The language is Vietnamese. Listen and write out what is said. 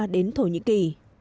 đến thổ nhĩ kỳ